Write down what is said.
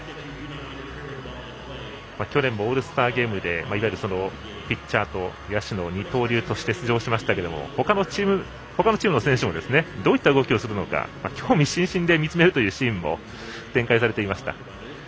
去年もオールスターゲームでいわゆるピッチャーと野手の二刀流として出場しましたけれどもほかのチームの選手もどういった動きをするのか興味津々で見つめるというシーンも展開されていました。